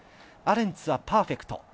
アレンツはパーフェクト。